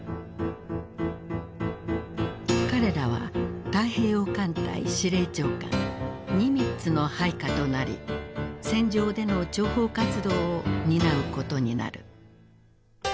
彼らは太平洋艦隊司令長官ニミッツの配下となり戦場での諜報活動を担うことになる。